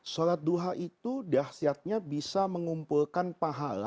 sholat duha itu dahsyatnya bisa mengumpulkan pahala